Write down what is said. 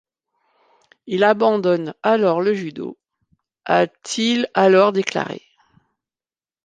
Il abandonne alors le judo ː a t-il alors déclaré.